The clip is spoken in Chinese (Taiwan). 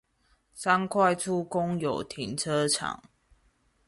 三塊厝公有停車場